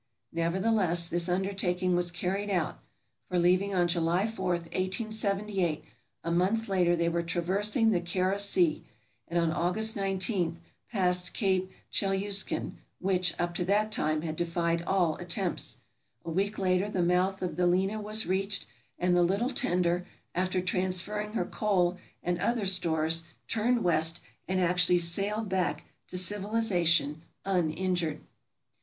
Never theless, this undertaking was carried out; for leaving on July 4, 1878, a month later they were traversing the Kara Sea, and on August 19 passed Cape Chelyuskin, which, up to that time, had defied all attempts. A week later the mouth of the Lena was reached, and the little tender, after transferring her coal and other stores, turned west, and actually sailed back to civilization uninjured.